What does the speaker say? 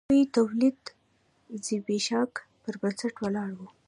دا لوی تولید د ځبېښاک پر بنسټ ولاړ و.